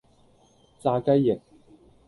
炸雞翼